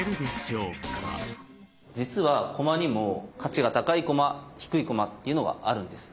実は駒にも価値が高い駒低い駒っていうのがあるんです。